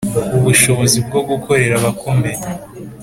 ubushobozi bwo gukorera abakomeye